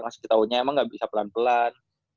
ngasih taunya emang gak bisa pelan pelan